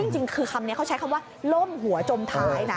จริงคือคำนี้เขาใช้คำว่าล่มหัวจมท้ายนะ